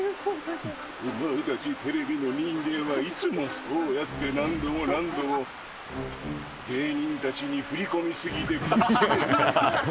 お前たちテレビの人間はいつもそうやって何度も何度も芸人たちに振り込み過ぎて苦しめる。